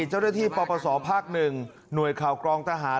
เจ้าหน้าที่ปปศภาค๑หน่วยข่าวกรองทหาร